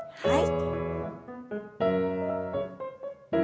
はい。